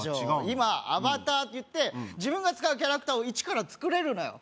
今アバターっていって自分が使うキャラクターを一から作れるのよ